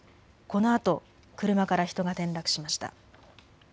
このあと車から人が転落しました。